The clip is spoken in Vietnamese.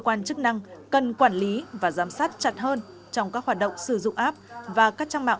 cơ quan chức năng cần quản lý và giám sát chặt hơn trong các hoạt động sử dụng app và các trang mạng